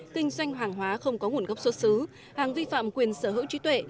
kinh doanh hàng hóa không có nguồn gốc xuất xứ hàng vi phạm quyền sở hữu trí tuệ